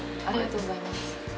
ありがとうございます。